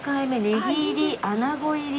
ねぎ入り穴子入り。